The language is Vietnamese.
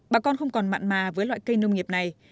bà con không còn mặn mà với loại cây nông nghiệp này